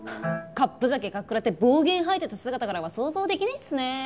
カップ酒かっ食らって暴言吐いてた姿からは想像できないっすねえ。